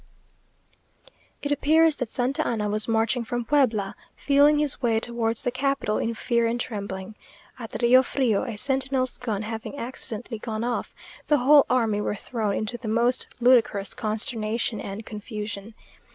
It appears that Santa Anna was marching from Puebla, feeling his way towards the capital in fear and trembling. At Rio Frio a sentinel's gun having accidentally gone off, the whole army were thrown into the most ludicrous consternation and confusion.